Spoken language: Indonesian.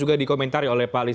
oke ham menjadi sorotan